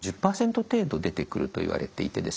１０％程度出てくるといわれていて。